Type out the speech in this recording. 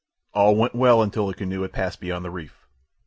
All went well until the canoe had passed beyond the reef.